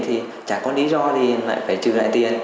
thì chả có lý do thì lại phải trừ lại tiền